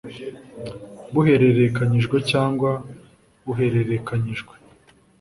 buhererekanyijwe cyangwa buhererekanyijwe